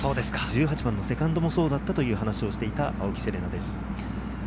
１８番のセカンドもそうだったと話していた青木瀬令奈です。